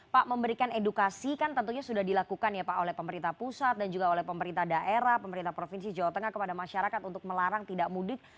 pak memberikan edukasi kan tentunya sudah dilakukan ya pak oleh pemerintah pusat dan juga oleh pemerintah daerah pemerintah provinsi jawa tengah kepada masyarakat untuk melarang tidak mudik